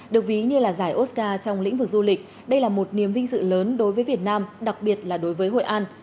được ví như là giải oscar trong lĩnh vực du lịch đây là một niềm vinh dự lớn đối với việt nam đặc biệt là đối với hội an